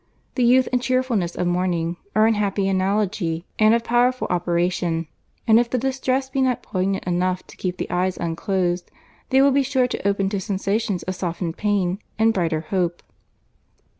The youth and cheerfulness of morning are in happy analogy, and of powerful operation; and if the distress be not poignant enough to keep the eyes unclosed, they will be sure to open to sensations of softened pain and brighter hope.